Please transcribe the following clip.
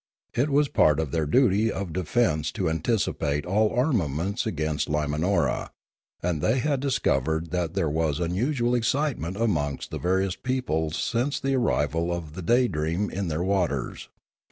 It was part of their duty of defence to anticipate all armaments against Limanora; and they had discovered that there was unusual excitement amongst the various peoples since the arrival of the Daydream in their waters.